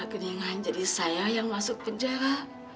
kenyangahan jadi saya yang masuk penjara